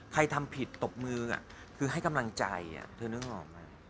ทำผิดตบมือคือให้กำลังใจเธอนึกออกไหม